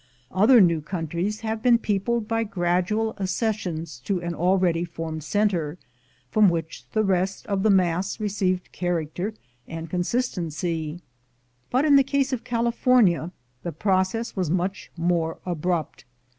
Other new countries have been peopled by gradual accessions to an already formed center, from which the rest of the mass received character and con sistency; but in the case of California the process was much more abrupt.